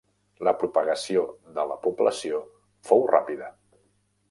La propagació de la població fou ràpida.